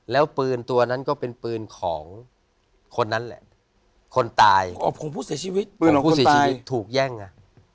แล้วปืนตัวนั้นก็เป็นปืนของคนนั้นแหละคนตายของผู้เสียชีวิตถูกแย่งนะ